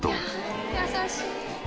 優しい。